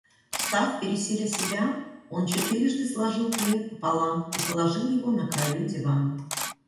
Встав пересиля себя, он четырежды сложил плед пополам и положил его на краю дивана.